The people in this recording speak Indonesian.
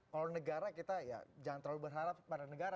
kalau negara kita ya jangan terlalu berharap pada negara